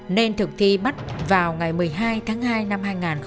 nên thực thi bắt vào ngày một mươi hai tháng hai năm hai nghìn một mươi ba